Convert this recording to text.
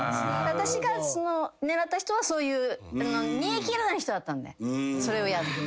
私が狙った人はそういう煮え切らない人だったんでそれをやった。